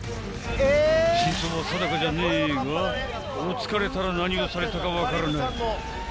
［真相は定かじゃねえが追っつかれたら何をされたか分からない］